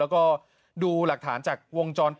ปรากฏว่าผู้เสียหายซึ่งเป็นนักท่องเที่ยวหญิงญี่ปุ่นเนี่ย